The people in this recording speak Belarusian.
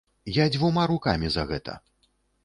Я дзвюма рукамі за гэта.